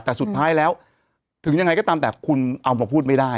แต่สุดท้ายแล้วถึงยังไงก็ตามแต่คุณเอามาพูดไม่ได้